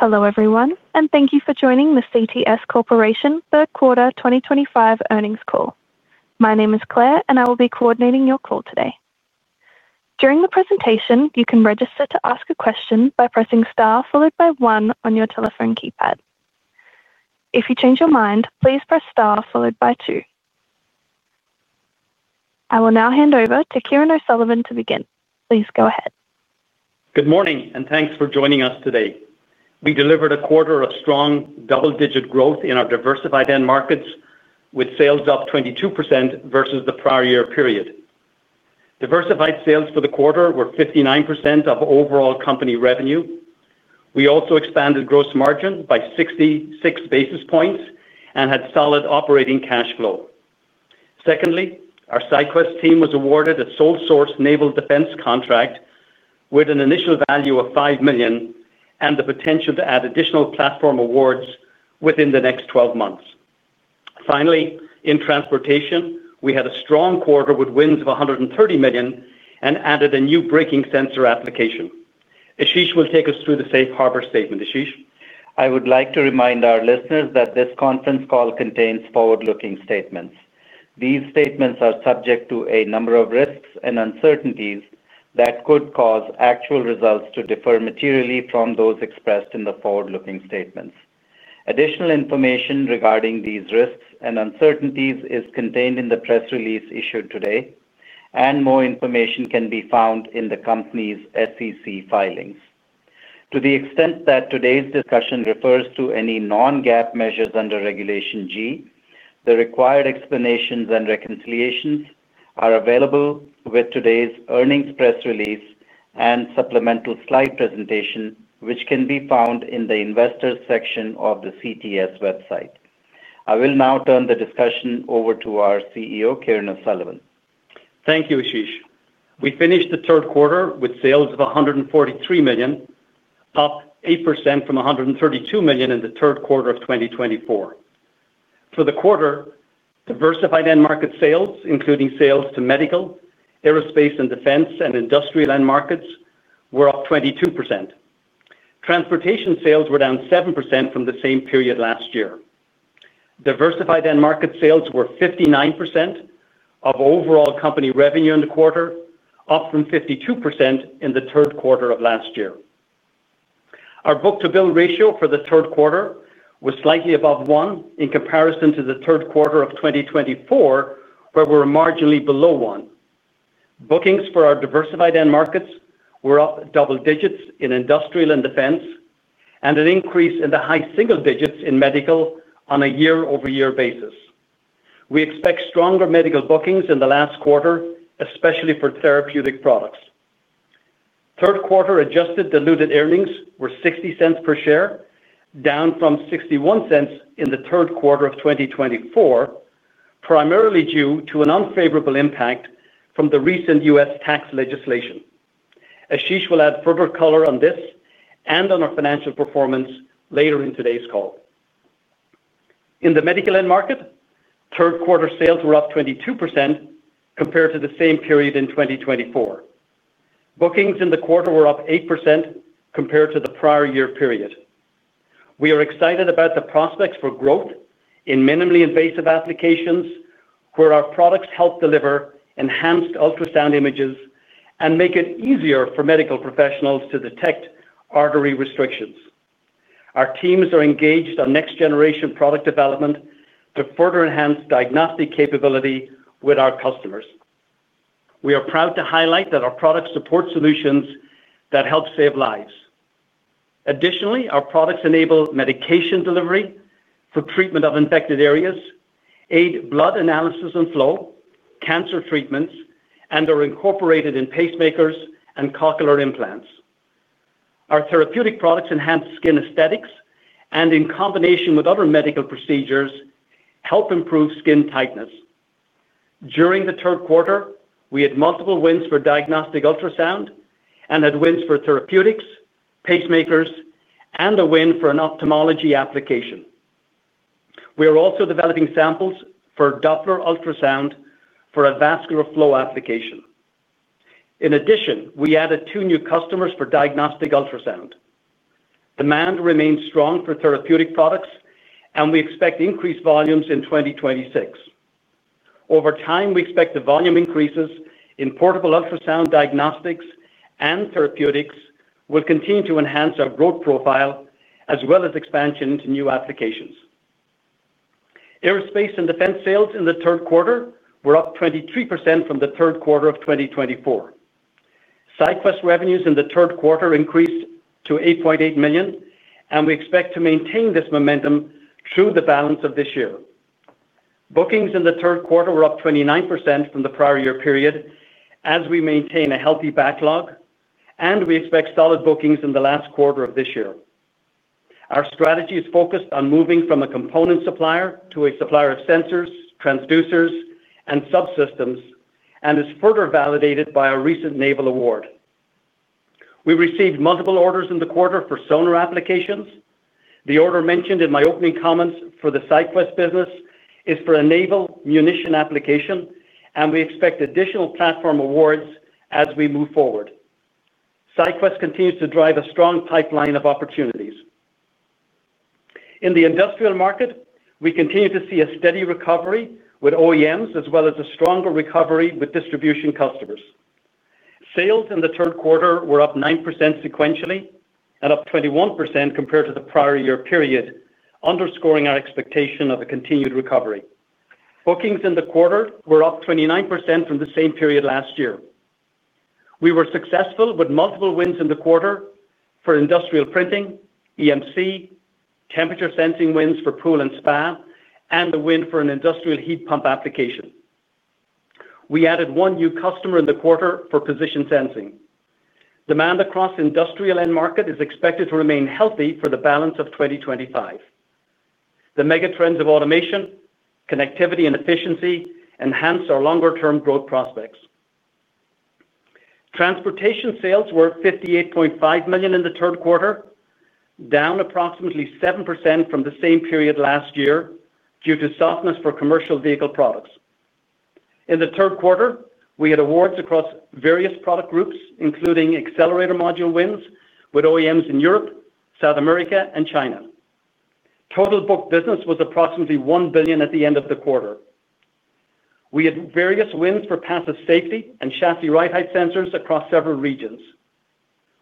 Hello, everyone, and thank you for joining the CTS Corporation third quarter 2025 earnings call. My name is Claire, and I will be coordinating your call today. During the presentation, you can register to ask a question by pressing star followed by one on your telephone keypad. If you change your mind, please press star followed by two. I will now hand over to Kieran O’Sullivan to begin. Please go ahead. Good morning, and thanks for joining us today. We delivered a quarter of strong double-digit growth in our diversified end markets, with sales up 22% versus the prior year period. Diversified sales for the quarter were 59% of overall company revenue. We also expanded gross margin by 66 basis points and had solid operating cash flow. Secondly, our SideQuest team was awarded a sole source naval defense contract with an initial value of $5 million and the potential to add additional platform awards within the next 12 months. Finally, in transportation, we had a strong quarter with wins of $130 million and added a new brake sensing application. Ashish will take us through the Safe Harbor statement. Ashish, I would like to remind our listeners that this conference call contains forward-looking statements. These statements are subject to a number of risks and uncertainties that could cause actual results to differ materially from those expressed in the forward-looking statements. Additional information regarding these risks and uncertainties is contained in the press release issued today, and more information can be found in the company's SEC filings. To the extent that today's discussion refers to any non-GAAP measures under Regulation G, the required explanations and reconciliations are available with today's earnings press release and supplemental slide presentation, which can be found in the Investors section of the CTS website. I will now turn the discussion over to our CEO, Kieran O’Sullivan. Thank you, Ashish. We finished the third quarter with sales of $143 million, up 8% from $132 million in the third quarter of 2024. For the quarter, diversified end market sales, including sales to medical, aerospace, and defense and industrial end markets, were up 22%. Transportation sales were down 7% from the same period last year. Diversified end market sales were 59% of overall company revenue in the quarter, up from 52% in the third quarter of last year. Our book-to-bill ratio for the third quarter was slightly above 1 in comparison to the third quarter of 2024, where we were marginally below 1. Bookings for our diversified end markets were up double digits in industrial and defense, and an increase in the high single digits in medical on a year-over-year basis. We expect stronger medical bookings in the last quarter, especially for therapeutic products. Third quarter adjusted diluted EPS were $0.60 per share, down from $0.61 in the third quarter of 2024, primarily due to an unfavorable impact from the recent U.S. tax legislation. Ashish will add further color on this and on our financial performance later in today's call. In the medical end market, third quarter sales were up 22% compared to the same period in 2024. Bookings in the quarter were up 8% compared to the prior year period. We are excited about the prospects for growth in minimally invasive applications where our products help deliver enhanced ultrasound images and make it easier for medical professionals to detect artery restrictions. Our teams are engaged on next-generation product development to further enhance diagnostic capability with our customers. We are proud to highlight that our products support solutions that help save lives. Additionally, our products enable medication delivery for treatment of infected areas, aid blood analysis and flow, cancer treatments, and are incorporated in pacemakers and cochlear implants. Our therapeutic products enhance skin aesthetics and, in combination with other medical procedures, help improve skin tightness. During the third quarter, we had multiple wins for diagnostic ultrasound and had wins for therapeutics, pacemakers, and a win for an ophthalmology application. We are also developing samples for Doppler ultrasound for a vascular flow application. In addition, we added two new customers for diagnostic ultrasound. Demand remains strong for therapeutic products, and we expect increased volumes in 2026. Over time, we expect the volume increases in portable ultrasound diagnostics and therapeutics will continue to enhance our growth profile as well as expansion into new applications. Aerospace and defense sales in the third quarter were up 23% from the third quarter of 2024. SideQuest revenues in the third quarter increased to $8.8 million, and we expect to maintain this momentum through the balance of this year. Bookings in the third quarter were up 29% from the prior year period, as we maintain a healthy backlog, and we expect solid bookings in the last quarter of this year. Our strategy is focused on moving from a component supplier to a supplier of sensors, transducers, and subsystems, and is further validated by our recent naval award. We received multiple orders in the quarter for sonar applications. The order mentioned in my opening comments for the SideQuest business is for a naval munition application, and we expect additional platform awards as we move forward. SideQuest continues to drive a strong pipeline of opportunities. In the industrial market, we continue to see a steady recovery with OEMs as well as a stronger recovery with distribution customers. Sales in the third quarter were up 9% sequentially and up 21% compared to the prior year period, underscoring our expectation of a continued recovery. Bookings in the quarter were up 29% from the same period last year. We were successful with multiple wins in the quarter for industrial printing, EMC, temperature sensing wins for pool and spa, and a win for an industrial heat pump application. We added one new customer in the quarter for position sensing. Demand across industrial end market is expected to remain healthy for the balance of 2025. The megatrends of automation, connectivity, and efficiency enhance our longer-term growth prospects. Transportation sales were $58.5 million in the third quarter, down approximately 7% from the same period last year due to softness for commercial vehicle products. In the third quarter, we had awards across various product groups, including accelerator module wins with OEMs in Europe, South America, and China. Total book business was approximately $1 billion at the end of the quarter. We had various wins for passive safety and chassis ride height sensors across several regions.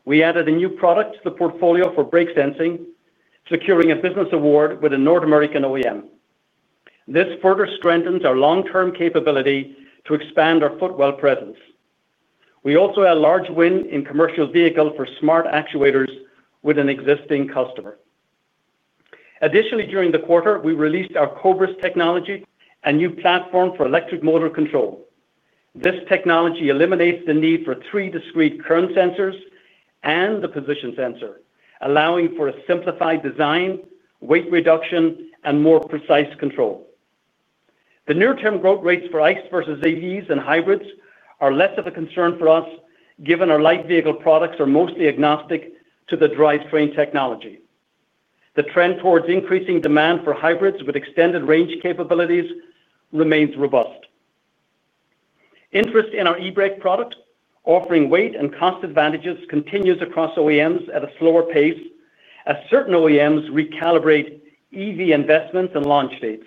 We added a new product to the portfolio for brake sensing, securing a business award with a North American OEM. This further strengthens our long-term capability to expand our footwell presence. We also had a large win in commercial vehicle for smart actuators with an existing customer. Additionally, during the quarter, we released our COBRA technology and new platform for electric motor control. This technology eliminates the need for three discrete current sensors and the position sensor, allowing for a simplified design, weight reduction, and more precise control. The near-term growth rates for ICE versus EVs and hybrids are less of a concern for us, given our light vehicle products are mostly agnostic to the drive train technology. The trend towards increasing demand for hybrids with extended range capabilities remains robust. Interest in our eBrake product, offering weight and cost advantages, continues across OEMs at a slower pace as certain OEMs recalibrate EV investments and launch dates.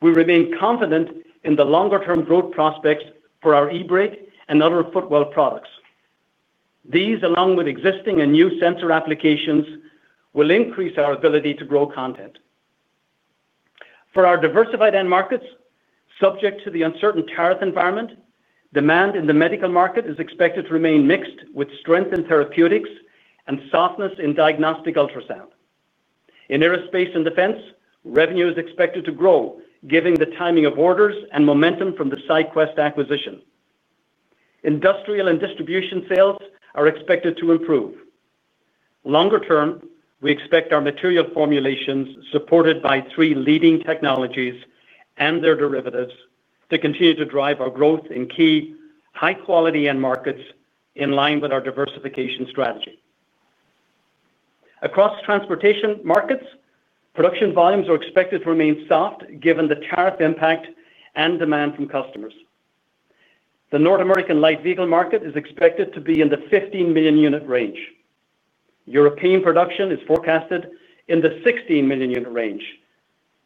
We remain confident in the longer-term growth prospects for our eBrake and other footwell products. These, along with existing and new sensor applications, will increase our ability to grow content. For our diversified end markets, subject to the uncertain tariff environment, demand in the medical market is expected to remain mixed with strength in therapeutics and softness in diagnostic ultrasound. In aerospace and defense, revenue is expected to grow, given the timing of orders and momentum from the SideQuest acquisition. Industrial and distribution sales are expected to improve. Longer term, we expect our material formulations, supported by three leading technologies and their derivatives, to continue to drive our growth in key high-quality end markets in line with our diversification strategy. Across transportation markets, production volumes are expected to remain soft, given the tariff impact and demand from customers. The North American light vehicle market is expected to be in the 15 million unit range. European production is forecasted in the 16 million unit range.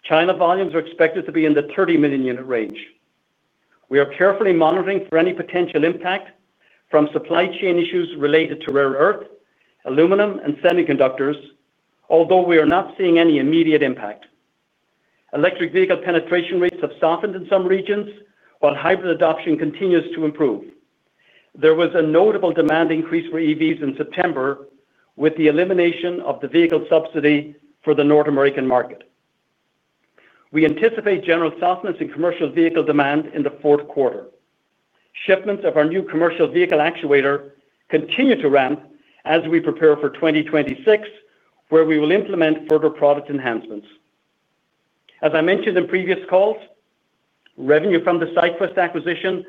China volumes are expected to be in the 30 million unit range. We are carefully monitoring for any potential impact from supply chain issues related to rare earth, aluminum, and semiconductors, although we are not seeing any immediate impact. Electric vehicle penetration rates have softened in some regions, while hybrid adoption continues to improve. There was a notable demand increase for EVs in September, with the elimination of the vehicle subsidy for the North American market. We anticipate general softness in commercial vehicle demand in the fourth quarter. Shipments of our new commercial vehicle actuator continue to ramp as we prepare for 2026, where we will implement further product enhancements. As I mentioned in previous calls, revenue from the SideQuest acquisition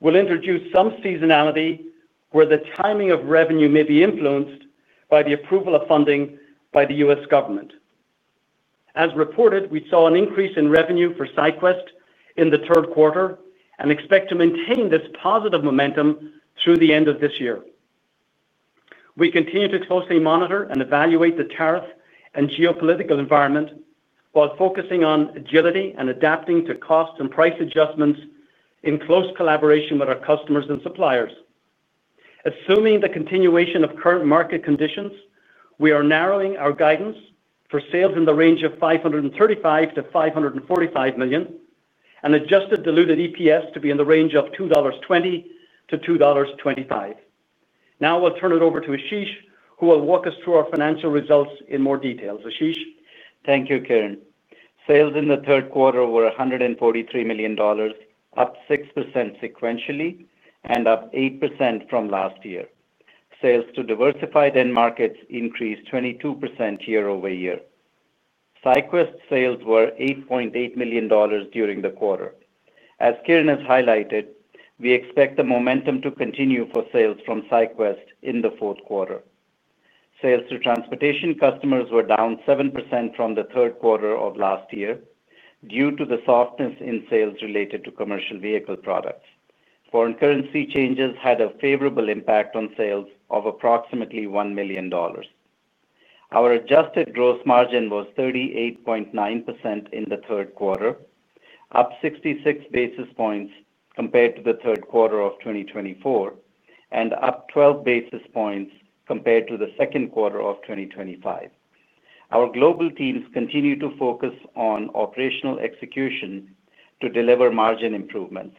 will introduce some seasonality, where the timing of revenue may be influenced by the approval of funding by the U.S. government. As reported, we saw an increase in revenue for SideQuest in the third quarter and expect to maintain this positive momentum through the end of this year. We continue to closely monitor and evaluate the tariff and geopolitical environment while focusing on agility and adapting to cost and price adjustments in close collaboration with our customers and suppliers. Assuming the continuation of current market conditions, we are narrowing our guidance for sales in the range of $535 million-$545 million and adjusted diluted EPS to be in the range of $2.20-$2.25. Now, I'll turn it over to Ashish, who will walk us through our financial results in more detail. Ashish. Thank you, Kieran. Sales in the third quarter were $143 million, up 6% sequentially and up 8% from last year. Sales to diversified end markets increased 22% year-over-year. SideQuest sales were $8.8 million during the quarter. As Kieran has highlighted, we expect the momentum to continue for sales from SideQuest in the fourth quarter. Sales to transportation customers were down 7% from the third quarter of last year due to the softness in sales related to commercial vehicle products. Foreign currency changes had a favorable impact on sales of approximately $1 million. Our adjusted gross margin was 38.9% in the third quarter, up 66 basis points compared to the third quarter of 2024, and up 12 basis points compared to the second quarter of 2025. Our global teams continue to focus on operational execution to deliver margin improvements.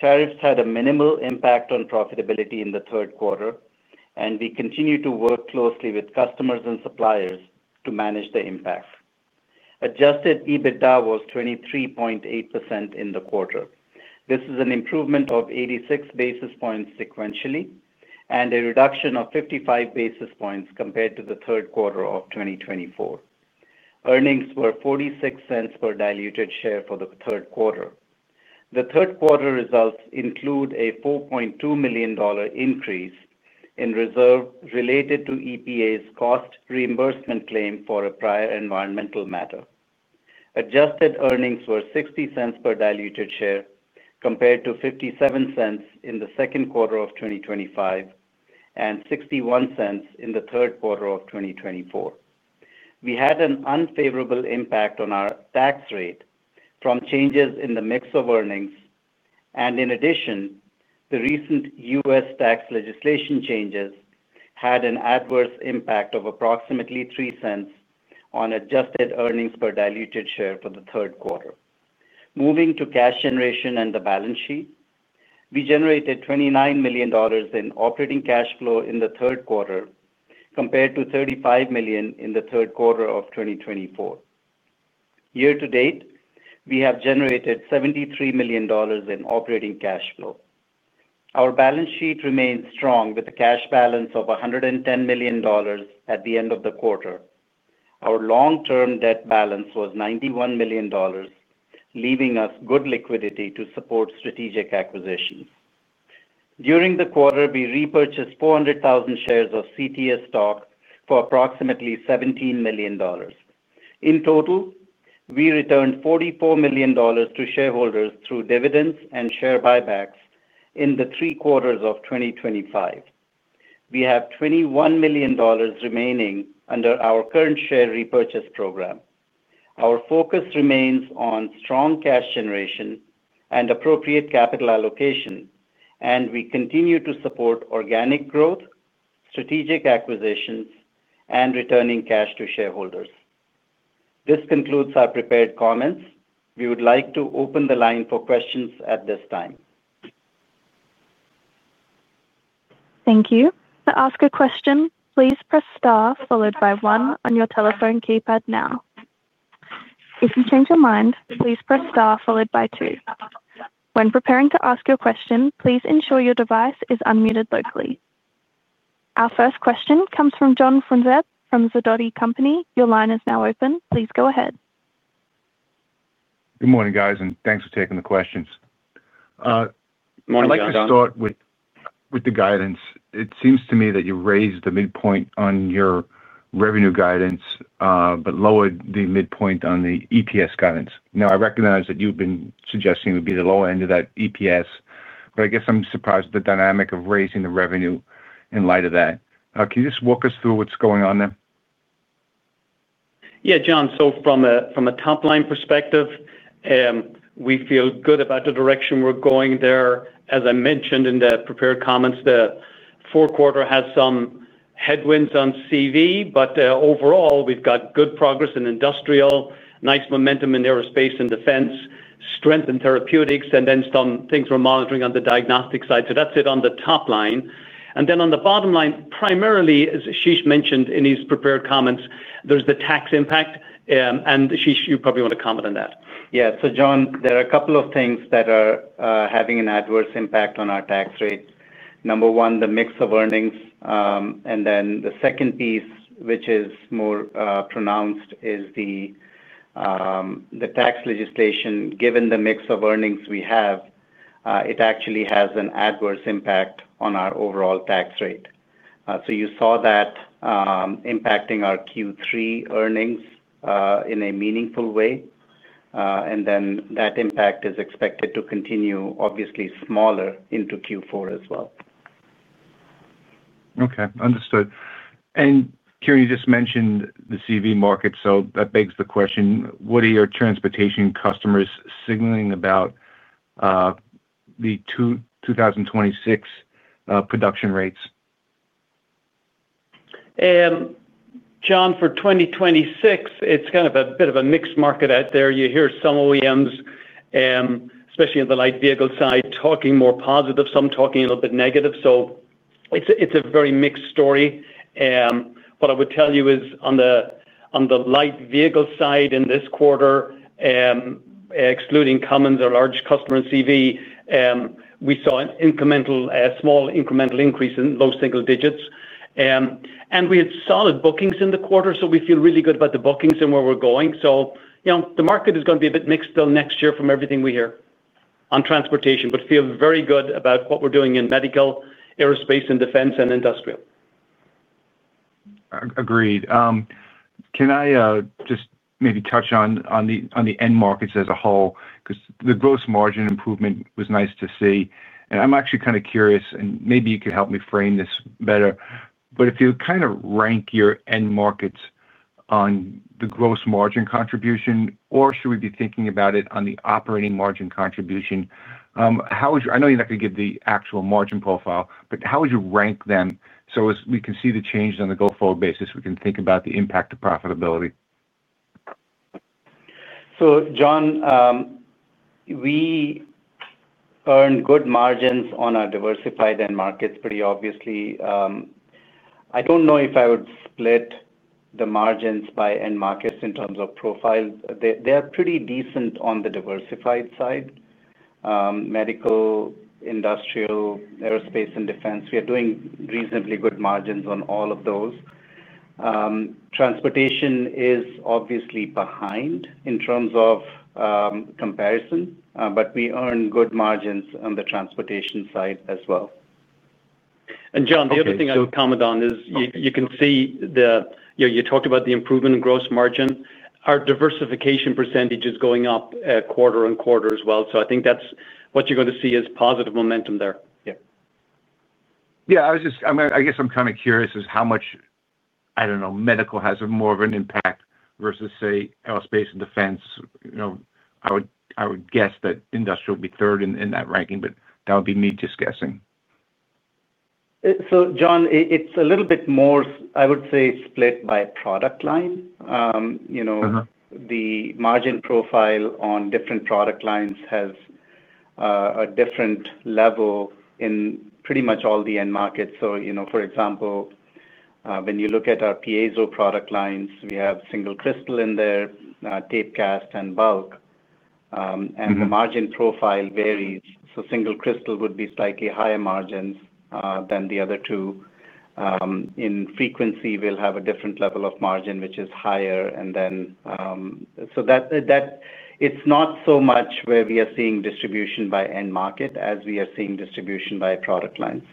Tariffs had a minimal impact on profitability in the third quarter, and we continue to work closely with customers and suppliers to manage the impact. Adjusted EBITDA was 23.8% in the quarter. This is an improvement of 86 basis points sequentially and a reduction of 55 basis points compared to the third quarter of 2024. Earnings were $0.46 per diluted share for the third quarter. The third quarter results include a $4.2 million increase in reserve related to EPA's cost reimbursement claim for a prior environmental matter. Adjusted earnings were $0.60 per diluted share compared to $0.57 in the second quarter of 2025 and $0.61 in the third quarter of 2024. We had an unfavorable impact on our tax rate from changes in the mix of earnings, and in addition, the recent U.S. tax legislation changes had an adverse impact of approximately $0.03 on adjusted earnings per diluted share for the third quarter. Moving to cash generation and the balance sheet, we generated $29 million in operating cash flow in the third quarter compared to $35 million in the third quarter of 2024. Year to date, we have generated $73 million in operating cash flow. Our balance sheet remains strong with a cash balance of $110 million at the end of the quarter. Our long-term debt balance was $91 million, leaving us good liquidity to support strategic acquisitions. During the quarter, we repurchased 400,000 shares of CTS stock for approximately $17 million. In total, we returned $44 million to shareholders through dividends and share buybacks in the three quarters of 2025. We have $21 million remaining under our current share repurchase program. Our focus remains on strong cash generation and appropriate capital allocation, and we continue to support organic growth, strategic acquisitions, and returning cash to shareholders. This concludes our prepared comments. We would like to open the line for questions at this time. Thank you. To ask a question, please press star followed by one on your telephone keypad now. If you change your mind, please press star followed by two. When preparing to ask your question, please ensure your device is unmuted locally. Our first question comes from John Franzreb from Sidoti Company. Your line is now open. Please go ahead. Good morning, guys, and thanks for taking the questions. Morning, John. I'd like to start with the guidance. It seems to me that you raised the midpoint on your revenue guidance, but lowered the midpoint on the EPS guidance. I recognize that you've been suggesting it would be the lower end of that EPS, but I guess I'm surprised at the dynamic of raising the revenue in light of that. Can you just walk us through what's going on there? Yeah, John. From a top-line perspective, we feel good about the direction we're going there. As I mentioned in the prepared comments, the fourth quarter has some headwinds on CV, but overall, we've got good progress in industrial, nice momentum in aerospace and defense, strength in therapeutics, and then some things we're monitoring on the diagnostic side. That's it on the top line. On the bottom line, primarily, as Ashish mentioned in his prepared comments, there's the tax impact, and Ashish, you probably want to comment on that. Yeah. John, there are a couple of things that are having an adverse impact on our tax rate. Number one, the mix of earnings, and then the second piece, which is more pronounced, is the US tax legislation. Given the mix of earnings we have, it actually has an adverse impact on our overall tax rate. You saw that impacting our Q3 earnings in a meaningful way, and that impact is expected to continue, obviously smaller, into Q4 as well. Okay. Understood. Kieran, you just mentioned the CV market. That begs the question, what are your transportation customers signaling about the 2026 production rates? John, for 2026, it's kind of a bit of a mixed market out there. You hear some OEMs, especially on the light vehicle side, talking more positive, some talking a little bit negative. It's a very mixed story. What I would tell you is on the light vehicle side in this quarter, excluding Cummins, our large customer in CV, we saw a small incremental increase in low single digits. We had solid bookings in the quarter, so we feel really good about the bookings and where we're going. The market is going to be a bit mixed still next year from everything we hear on transportation, but feel very good about what we're doing in medical, aerospace, and defense, and industrial. Agreed. Can I just maybe touch on the end markets as a whole? The gross margin improvement was nice to see. I'm actually kind of curious, and maybe you could help me frame this better, but if you kind of rank your end markets on the gross margin contribution, or should we be thinking about it on the operating margin contribution? How would you, I know you're not going to give the actual margin profile, but how would you rank them so as we can see the changes on the go-forward basis, we can think about the impact to profitability? John, we earned good margins on our diversified end markets pretty obviously. I don't know if I would split the margins by end markets in terms of profile. They are pretty decent on the diversified side. Medical, industrial, aerospace, and defense, we are doing reasonably good margins on all of those. Transportation is obviously behind in terms of comparison, but we earn good margins on the transportation side as well. John, the other thing I can comment on is you can see that you talked about the improvement in gross margin. Our diversification percentage is going up quarter-on-quarter as well. I think that's what you're going to see is positive momentum there. Yeah, I was just, I guess I'm kind of curious as how much, I don't know, medical has more of an impact versus, say, aerospace and defense. I would guess that industrial would be third in that ranking, but that would be me just guessing. John, it's a little bit more, I would say, split by product line. The margin profile on different product lines has a different level in pretty much all the end markets. For example, when you look at our Piezo product lines, we have Single Crystal in there, TapeCast, and Bulk, and the margin profile varies. Single Crystal would be slightly higher margins than the other two. In frequency, we'll have a different level of margin, which is higher. It is not so much where we are seeing distribution by end market as we are seeing distribution by product lines.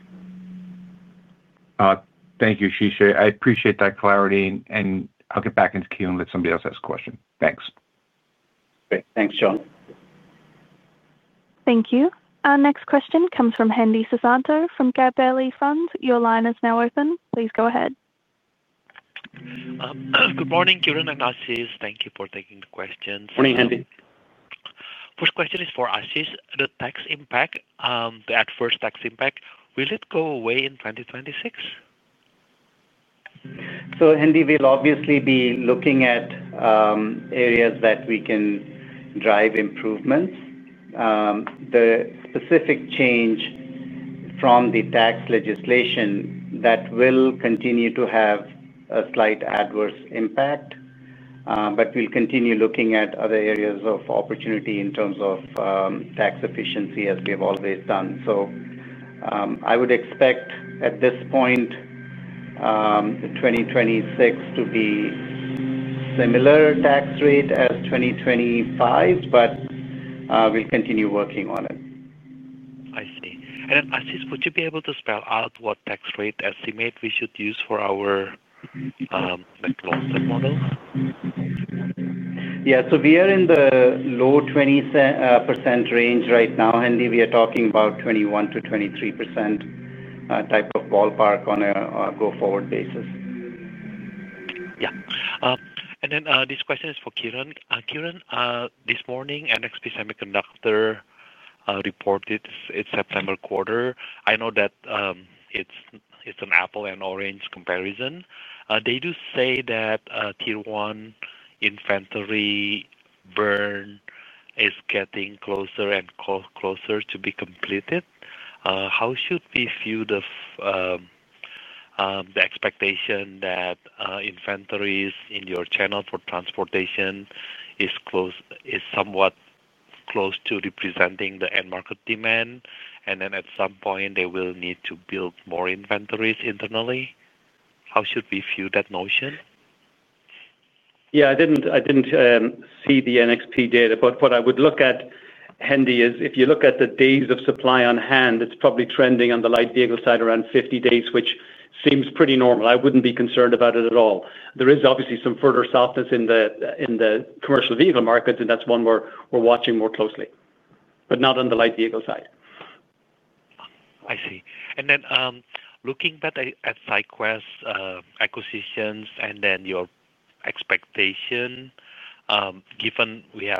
Thank you, Ashish. I appreciate that clarity, and I'll get back into Q and let somebody else ask a question. Thanks. Great. Thanks, John. Thank you. Our next question comes from Hendi Susanto from Gabelli Funds. Your line is now open. Please go ahead. Good morning, Kieran and Ashish. Thank you for taking the questions. Morning, Hendi. First question is for Ashish. The tax impact, the adverse tax impact, will it go away in 2026? Hande, we'll obviously be looking at areas that we can drive improvements. The specific change from the US tax legislation will continue to have a slight adverse impact, but we'll continue looking at other areas of opportunity in terms of tax efficiency as we have always done. I would expect at this point, 2026 to be a similar tax rate as 2025, but we'll continue working on it. I see. Ashish, would you be able to spell out what tax rate estimate we should use for our closed-up models? We are in the low 20% range right now, Hande. We are talking about 21%-23% type of ballpark on a go-forward basis. Yeah. This question is for Kieran. Kieran, this morning, NXP Semiconductor reported its September quarter. I know that it's an apple and orange comparison. They do say that Tier 1 inventory burn is getting closer and closer to being completed. How should we view the expectation that inventories in your channel for transportation is somewhat close to representing the end market demand, and at some point, they will need to build more inventories internally? How should we view that notion? Yeah, I didn't see the NXP data, but what I would look at, Hande, is if you look at the days of supply on hand, it's probably trending on the light vehicle side around 50 days, which seems pretty normal. I wouldn't be concerned about it at all. There is obviously some further softness in the commercial vehicle markets, and that's one we're watching more closely, but not on the light vehicle side. I see. Looking back at SideQuest's acquisitions and your expectation, given we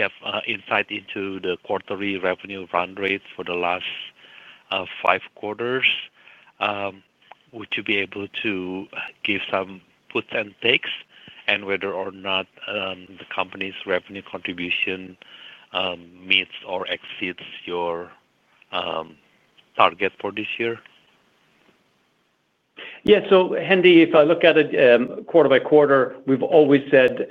have insight into the quarterly revenue run rates for the last five quarters, would you be able to give some puts and takes and whether or not the company's revenue contribution meets or exceeds your target for this year? Yeah. Hande, if I look at it quarter-by-quarter, we've always said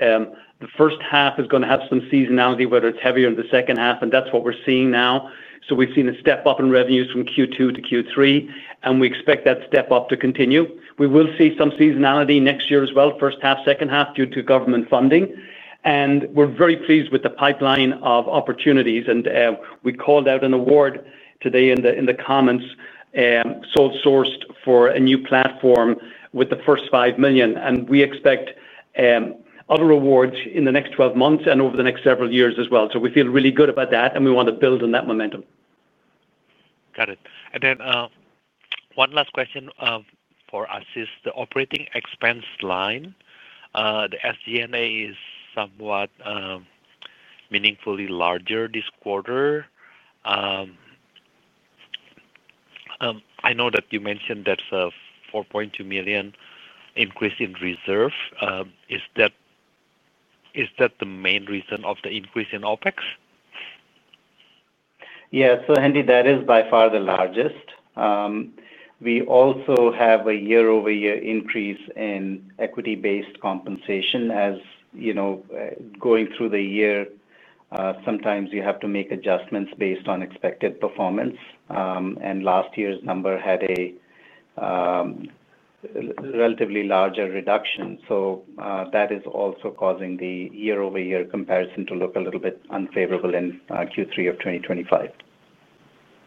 the first half is going to have some seasonality, whether it's heavier in the second half, and that's what we're seeing now. We've seen a step up in revenues from Q2-Q3, and we expect that step up to continue. We will see some seasonality next year as well, first half, second half, due to government funding. We're very pleased with the pipeline of opportunities, and we called out an award today in the comments, sole sourced for a new platform with the first $5 million. We expect other awards in the next 12 months and over the next several years as well. We feel really good about that, and we want to build on that momentum. Got it. One last question for Ashish. The operating expense line, the SG&A, is somewhat meaningfully larger this quarter. I know that you mentioned there's a $4.2 million increase in reserve. Is that the main reason of the increase in OpEx? Yeah. Hande, that is by far the largest. We also have a year-over-year increase in equity-based compensation. As you know, going through the year, sometimes you have to make adjustments based on expected performance. Last year's number had a relatively larger reduction. That is also causing the year-over-year comparison to look a little bit unfavorable in Q3 of 2025.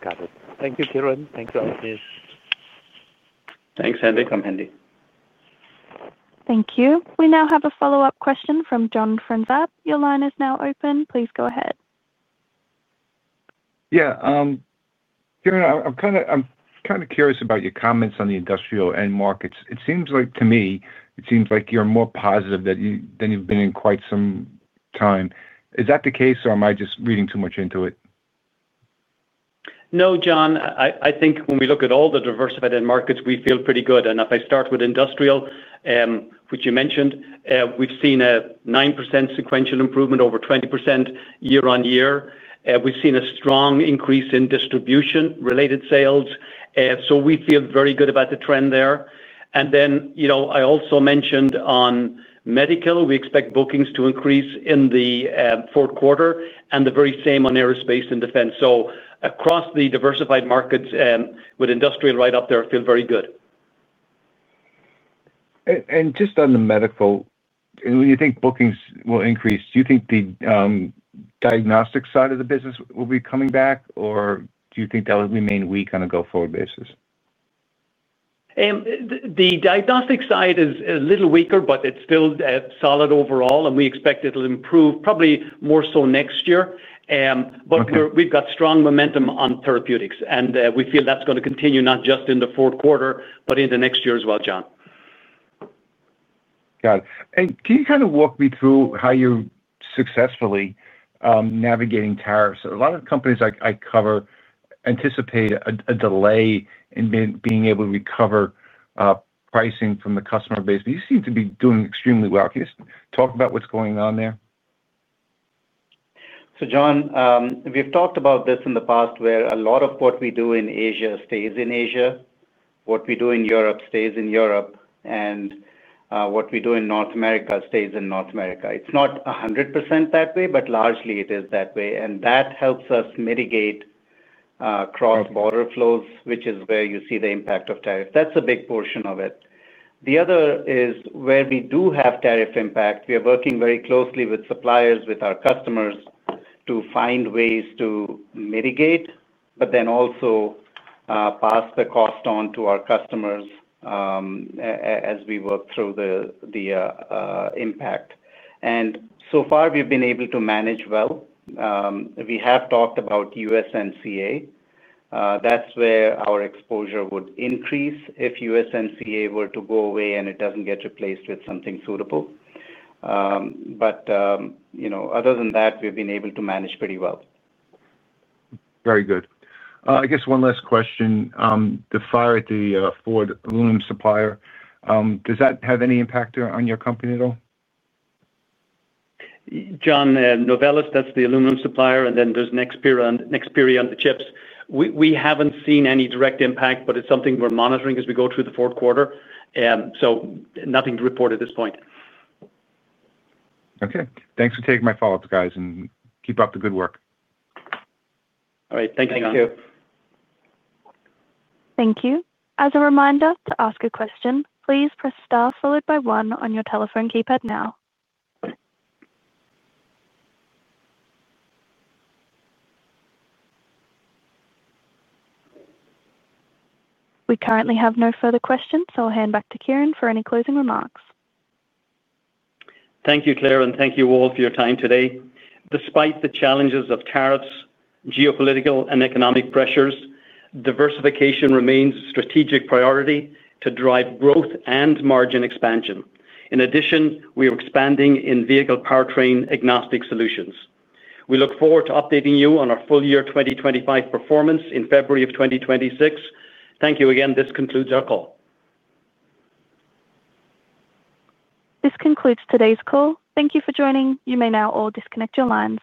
Got it. Thank you, Kieran. Thanks for asking us. Thanks, Hendi. Come, Hendi. Thank you. We now have a follow-up question from John Franzreb. Your line is now open. Please go ahead. Yeah. Kieran, I'm kind of curious about your comments on the industrial end markets. It seems like to me, it seems like you're more positive than you've been in quite some time. Is that the case, or am I just reading too much into it? No, John. I think when we look at all the diversified end markets, we feel pretty good. If I start with industrial, which you mentioned, we've seen a 9% sequential improvement over 20% year-on-year. We've seen a strong increase in distribution-related sales, so we feel very good about the trend there. I also mentioned on medical, we expect bookings to increase in the fourth quarter, and the very same on aerospace and defense. Across the diversified markets, with industrial right up there, I feel very good. When you think bookings will increase, do you think the diagnostic side of the business will be coming back, or do you think that will remain weak on a go-forward basis? The diagnostic side is a little weaker, but it's still solid overall, and we expect it'll improve probably more so next year. We've got strong momentum on therapeutics, and we feel that's going to continue not just in the fourth quarter, but into next year as well, John. Got it. Can you kind of walk me through how you're successfully navigating tariffs? A lot of the companies I cover anticipate a delay in being able to recover pricing from the customer base, but you seem to be doing extremely well. Can you just talk about what's going on there? John, we've talked about this in the past where a lot of what we do in Asia stays in Asia, what we do in Europe stays in Europe, and what we do in North America stays in North America. It's not 100% that way, but largely it is that way. That helps us mitigate cross-border flows, which is where you see the impact of tariff. That's a big portion of it. The other is where we do have tariff impact. We are working very closely with suppliers, with our customers, to find ways to mitigate, but then also pass the cost on to our customers as we work through the impact. So far, we've been able to manage well. We have talked about USMCA. That's where our exposure would increase if USMCA were to go away and it doesn't get replaced with something suitable. Other than that, we've been able to manage pretty well. Very good. I guess one last question. The fire at the Ford aluminum supplier, does that have any impact on your company at all? John Novelis, that's the aluminum supplier, and then there's Nexperion Chips. We haven't seen any direct impact, but it's something we're monitoring as we go through the fourth quarter. Nothing to report at this point. Okay, thanks for taking my follow-ups, guys, and keep up the good work. All right. Thanks, John. Thank you. Thank you. As a reminder, to ask a question, please press star followed by one on your telephone keypad now. We currently have no further questions, so I'll hand back to Kieran for any closing remarks. Thank you, Kieran, and thank you all for your time today. Despite the challenges of tariffs, geopolitical, and economic pressures, diversification remains a strategic priority to drive growth and margin expansion. In addition, we are expanding in vehicle powertrain-agnostic solutions. We look forward to updating you on our full year 2025 performance in February of 2026. Thank you again. This concludes our call. This concludes today's call. Thank you for joining. You may now all disconnect your lines.